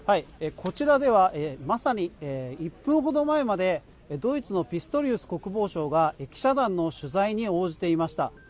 こちらではまさに１分程前までドイツのピストリウス国防相が記者団の取材に応じていました。